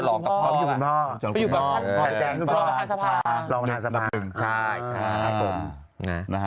รอวนาสมัคร